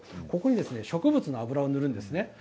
ここに植物の油を塗るんですね。